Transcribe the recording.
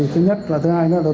thứ nhất là thứ hai nữa là tôi